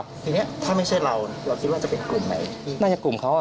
นี่เนี่ยถ้าไม่ใช่เราเราคิดว่าจะเป็นกลุ่มไหน